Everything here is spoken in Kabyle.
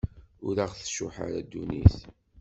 Ur aɣ-tcuḥḥ ara ddunit.